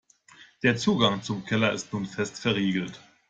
Der Zugang zum Keller ist nun fest verriegelt.